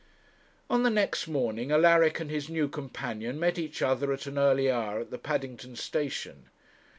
On the next morning Alaric and his new companion met each other at an early hour at the Paddington station.